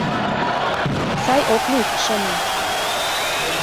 — Сай ок лий, шонем.